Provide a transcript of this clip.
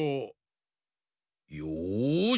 よし！